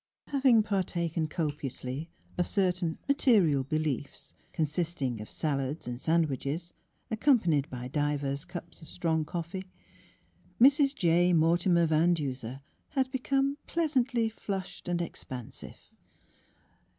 Having partaken copiously of certain ^^ material beliefs'' consisting of salads and sand wiches, accompanied by divers cups of strong coffee, Mrs. J. Mortimer Van Denser had become pleasantly flushed and expansive.